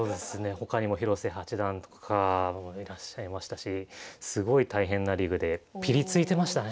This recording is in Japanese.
他にも広瀬八段とかもいらっしゃいましたしすごい大変なリーグでぴりついてましたね。